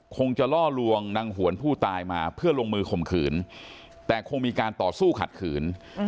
คงจะล่อลวงนางหวนผู้ตายมาเพื่อลงมือข่มขืนแต่คงมีการต่อสู้ขัดขืน